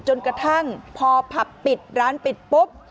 จนกระทั่งพอผับปิดร้านปิดปุ๊บ